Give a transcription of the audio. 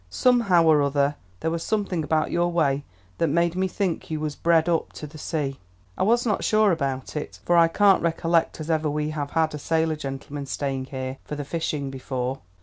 Somehow or other there was something about your way that made me think you was bred up to the sea. I was not sure about it, for I can't recollect as ever we have had a sailor gentleman staying here for the fishing before."